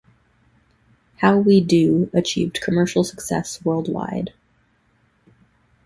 "How We Do" achieved commercial success worldwide.